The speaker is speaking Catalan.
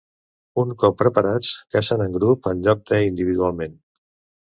Un cop preparats, cacen en grup en lloc d'individualment.